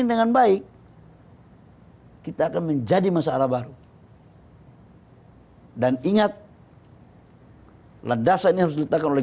dengan baik ayo kita akan menjadi masalah baru hai dan ingat hai landasan yang ditetapkan oleh